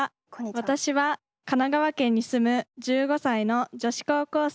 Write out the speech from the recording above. ・私は神奈川県に住む１５歳の女子高校生です。